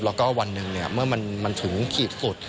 แล้วก็วันหนึ่งเมื่อมันถึงขีดฝุด